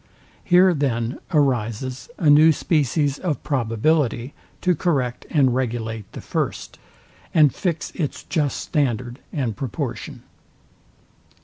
Here then arises a new species of probability to correct and regulate the first, and fix its just standard and proportion.